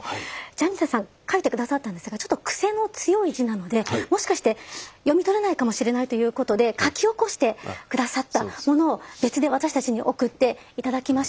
ジャニタさん書いて下さったんですがちょっと癖の強い字なのでもしかして読み取れないかもしれないということで書き起こして下さったものを別で私たちに送って頂きまして。